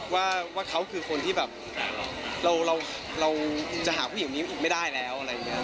ว่าเค้าคือคนที่แบบเราจะหาผู้หญิงมีอีกไม่ได้แล้ว